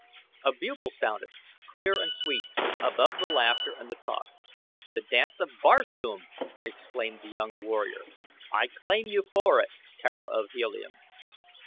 A bugle sounded, clear and sweet, above the laughter and the talk. "The Dance of Barsoom!" exclaimed the young warrior. "I claim you for it, Tara of Helium."